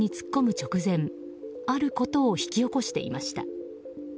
直前あることを引き起こしていました。